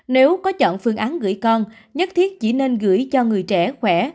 nếu có chọn phương án gửi con nhất thiết chỉ nên gửi cho người trẻ khỏe